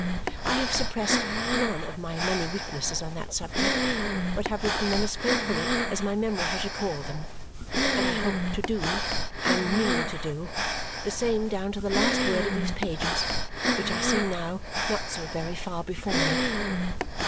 I have suppressed none of my many weaknesses on that subject, but have written them as faithfully as my memory has recalled them. And I hope to do, and mean to do, the same down to the last words of these pages, which I see now not so very far before me.